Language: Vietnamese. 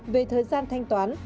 về thời gian thanh toán